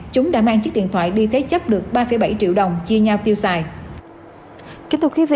chúng đã mang chiếc điện thoại đi thế chấp được ba bảy triệu đồng chia nhau tiêu xài